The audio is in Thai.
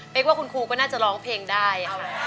กว่าคุณครูก็น่าจะร้องเพลงได้